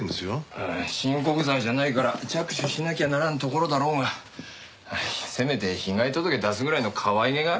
ああ親告罪じゃないから着手しなきゃならんところだろうがせめて被害届出すぐらいのかわいげがあればなあ。